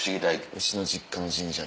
うちの実家の神社で。